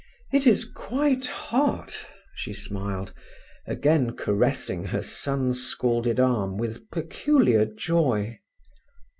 "It is quite hot," she smiled, again caressing her sun scalded arm with peculiar joy.